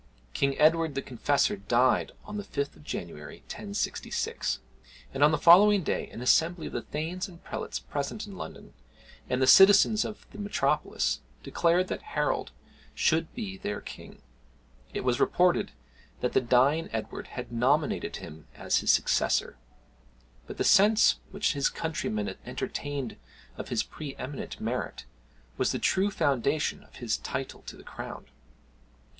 King Edward the Confessor died on the 5th of January, 1066, and on the following day an assembly of the thanes and prelates present in London, and of the citizens of the metropolis, declared that Harold should be their king. It was reported that the dying Edward had nominated him as his successor; but the sense which his countrymen entertained of his pre eminent merit was the true foundation of his title to the crown.